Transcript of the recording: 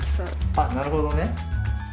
あなるほどね。